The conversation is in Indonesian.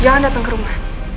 jangan datang ke rumah